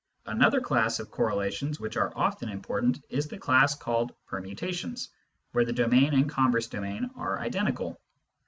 Another class of correlations which are often important is the class called " permutations," where the domain and converse domain are identical.